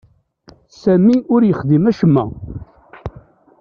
Sami ur yexdim acemma.